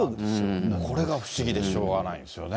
これが不思議でしょうがないですよね。